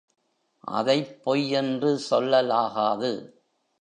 அதைப் பொய் என்று சொல்லலாகாது.